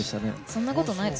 そんなことないです。